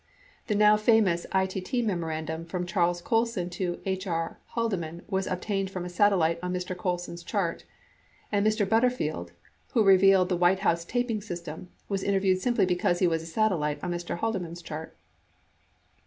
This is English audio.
The now famous ITT memorandum from Charles Colson to H. R. Haldeman was obtained from a satellite on Mr. Colson's chart. 8 And Mr. Butterfield, who revealed the White House taping system, was interviewed simply because he was a satellite on Mr. Hal deman's chart.